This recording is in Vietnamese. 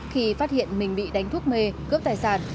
khi phát hiện mình bị đánh thuốc mê cướp tài sản